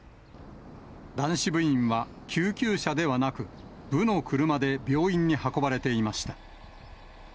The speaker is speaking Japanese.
男子部員は救急車ではなく、部の車で病院に運ばれていました。